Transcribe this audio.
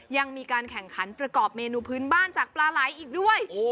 ยังมีการแข่งขันประกอบเมนูพื้นบ้านจากปลาไหลอีกด้วย